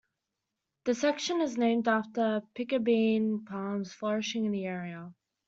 The section is named after the piccabeen palms flourishing in the area.